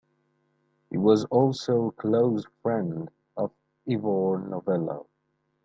He was also a close friend of Ivor Novello.